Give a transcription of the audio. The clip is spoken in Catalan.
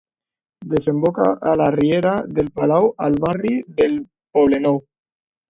Desemboca a la riera del Palau al barri del Poblenou.